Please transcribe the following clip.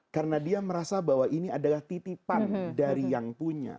karena dia merasa bahwa ini adalah titipan dari yang punya